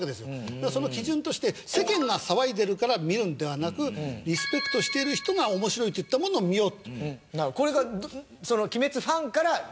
だからその基準として世間が騒いでるから見るのではなくリスペクトしてる人が面白いって言ったものを見よう。